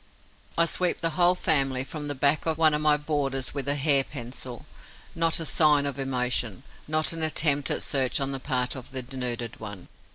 I sweep the whole family from the back of one of my boarders with a hair pencil. Not a sign of emotion, not an attempt at search on the part of the denuded one.